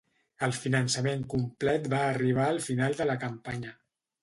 El finançament complet va arribar al final de la campanya.